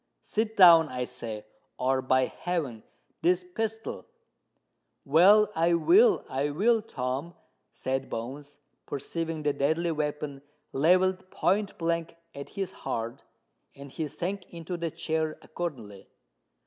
"Sit down, I say—or, by heaven! this pistol——" "Well—I will—I will, Tom," said Bones, perceiving the deadly weapon levelled point blank at his heart: and he sank into the chair accordingly.